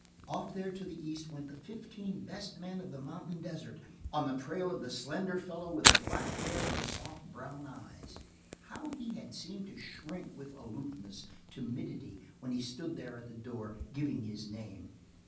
Off there to the east went the fifteen best men of the mountain desert on the trail of the slender fellow with the black hair and the soft brown eyes. How he had seemed to shrink with aloofness, timidity, when he stood there at the door, giving his name.